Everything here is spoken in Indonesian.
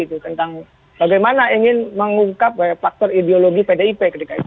tentang bagaimana ingin mengungkap faktor ideologi pdip